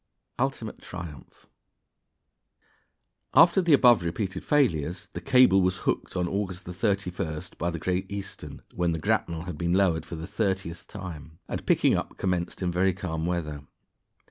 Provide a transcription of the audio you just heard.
Ultimate Triumph. After the above repeated failures, the cable was hooked on August 31st by the Great Eastern (when the grapnel had been lowered for the thirtieth time), and picking up commenced in very calm weather.